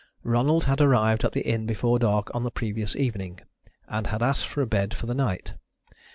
Ronald had arrived at the inn before dark on the previous evening, and had asked for a bed for the night.